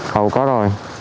hậu có rồi